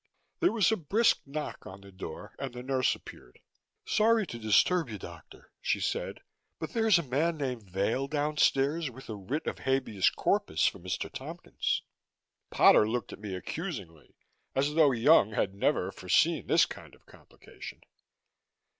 There was a brisk knock on the door and the nurse appeared. "Sorry to disturb you, doctor," she said, "but there's a man named Vail downstairs with a writ of habeas corpus for Mr. Tompkins." Potter looked at me accusingly, as though Jung had never for seen this kind of complication.